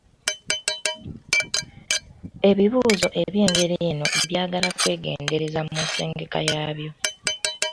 Ebibuuzo ebyengeri eno byagala kwegendereza mu nsengeka yaabyo.